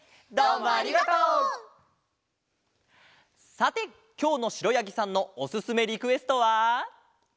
さてきょうのしろやぎさんのおすすめリクエストは。